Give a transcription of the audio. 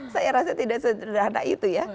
saya rasa tidak sederhana itu ya